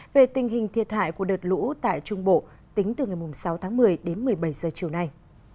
về tình hình thiệt hại của đợt lũ tại trung bộ tính từ ngày sáu tháng một mươi đến một mươi bảy giờ chiều nay